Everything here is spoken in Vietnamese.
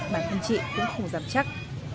bản thân chị cũng không dám chắc